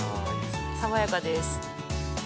爽やかです。